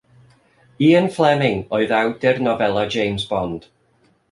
Ian Fleming oedd awdur nofelau James Bond.